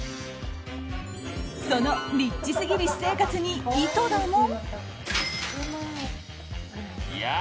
そのリッチすぎる私生活に井戸田も。